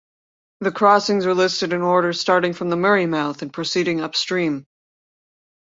The crossings are listed in order starting from the Murray Mouth and proceeding upstream.